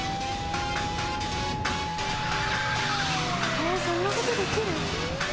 そんなことできる？